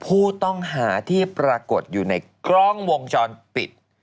ผู้ต้องหาที่ปรากฏอยู่ในกล้องวงจรปิด